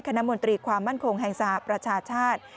มนตรีความมั่นคงแห่งสหประชาชาติ